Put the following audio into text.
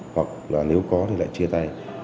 hoặc là nếu có thì lại chia tay